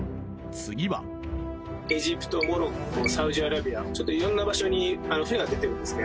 次はエジプトモロッコサウジアラビア色んな場所に船が出てるんですね